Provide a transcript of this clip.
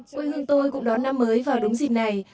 quê hương tôi cũng đón năm mới vào đúng dịp này